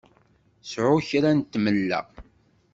Sεu kra n tmella!